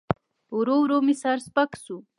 ورو ورو مې سر سپک سو.